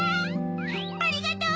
ありがとう！